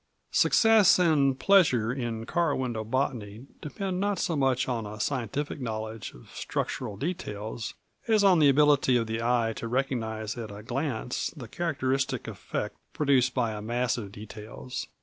Success and pleasure in car window botany depend not so much on a scientific knowledge of structural details as on the ability of the eye to recognize at a glance the characteristic effect produced by a mass of details.